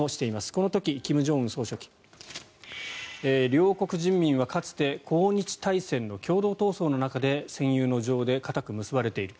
この時、金正恩総書記両国人民はかつて抗日大戦の共同闘争の中で戦友の情で固く結ばれている。